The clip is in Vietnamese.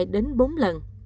đến bốn lần